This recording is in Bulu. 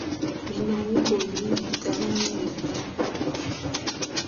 Minnom mibot mine etam enyeman.